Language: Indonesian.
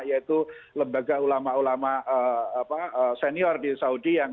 yaitu lembaga ulama ulama senior di saudi